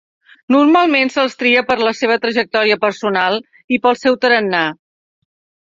Normalment se’ls tria per la seva trajectòria personal i pel seu tarannà.